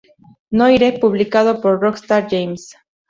Noire", publicado por Rockstar Games.